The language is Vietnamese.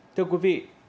thưa quý vị